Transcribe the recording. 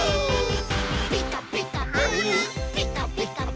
「ピカピカブ！ピカピカブ！」